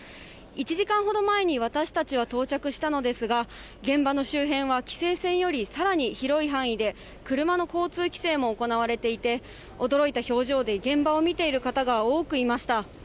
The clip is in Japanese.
１時間ほど前に私たちは到着したのですが、現場の周辺は、規制線よりさらに広い範囲で車の交通規制も行われていて、驚いた表情で現場を見ている方が多くいました。